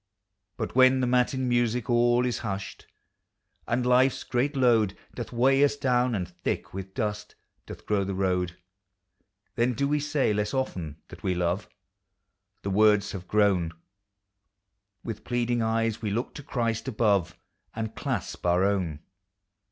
But when the matin music all is hushed, And life's great load Doth weigh us down, and thick with dust Doth grow the road, Then do we say less often that we love. The words have grown ! With pleading eyes we look to Christ above, And clasp our own.